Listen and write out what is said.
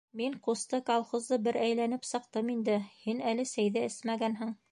— Мин, ҡусты, колхозды бер әйләнеп сыҡтым инде, һин әле сәй ҙә эсмәгәнһең...